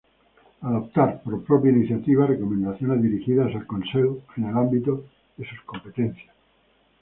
Adoptar, por propia iniciativa, recomendaciones dirigidas al Consell en el ámbito de sus competencias.